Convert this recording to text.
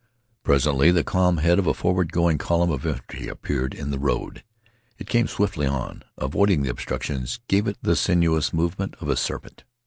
Presently the calm head of a forward going column of infantry appeared in the road. It came swiftly on. Avoiding the obstructions gave it the sinuous movement of a serpent.